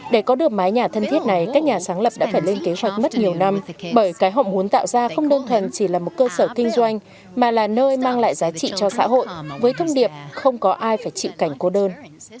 để có được mái nhà thân thiết này các nhà sáng lập đã phải lên kế hoạch mất nhiều năm bởi cái hộp hốn tạo ra không đơn thuần chỉ là một cơ sở kinh doanh mà là nơi mang lại giá trị cho xã hội với thông điệp không có ai phải chịu cảnh cô đơn